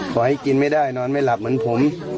ขอให้กินไม่ได้นอนไม่หลับเหมือนผม